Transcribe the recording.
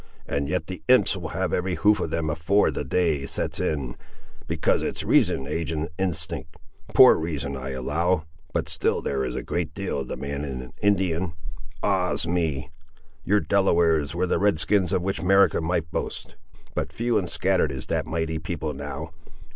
And yet the imps will have every hoof of them afore the day sets in, because it's reason ag'in instinct. Poor reason, I allow; but still there is a great deal of the man in an Indian. Ah's me! your Delawares were the redskins of which America might boast; but few and scattered is that mighty people, now!